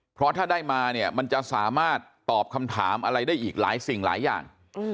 เพราะถ้าได้มาเนี่ยมันจะสามารถตอบคำถามอะไรได้อีกหลายสิ่งหลายอย่าง